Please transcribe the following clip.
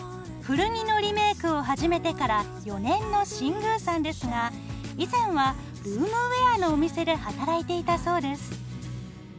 古着のリメイクを始めてから４年の新宮さんですが以前はルームウエアのお店で働いていたそうです。